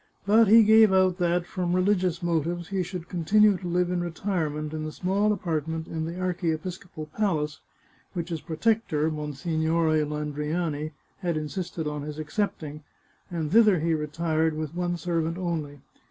But he gave out that, from religious motives, he should continue to live in retirement in the small apart ment in the archiepiscopal palace which his protector, Mon signore Landriani, had insisted on his accepting, and thither he retired, with one servant only.